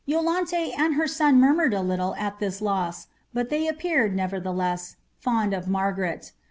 Yolaote and her aoa murmured a Utile al ihifl loM, but they appear, nevertheless, fond of Margaret.